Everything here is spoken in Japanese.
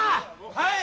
はい！